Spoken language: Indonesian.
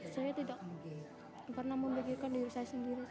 saya tidak pernah membagikan diri saya sendiri